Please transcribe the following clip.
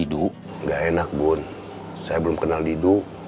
tidur tidak enak bun saya belum kenal didu